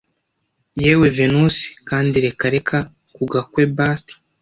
yewe venusi kandi reka reka kugwa kwe bust